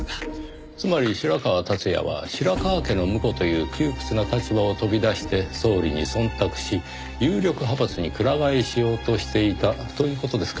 つまり白河達也は白河家の婿という窮屈な立場を飛び出して総理に忖度し有力派閥に鞍替えしようとしていたという事ですか？